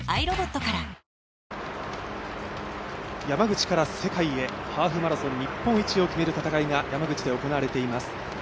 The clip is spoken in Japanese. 山口から世界へ、ハーフマラソン日本一を決める戦いが山口で行われています。